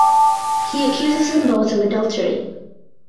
He accuses them both of adultery.